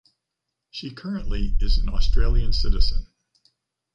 She currently is an Australian citizen.